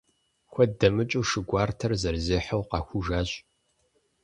Куэд дэмыкӀыу, шы гуартэр зэрызехьэу къахужащ.